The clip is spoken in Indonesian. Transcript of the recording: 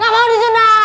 gak mau disuntik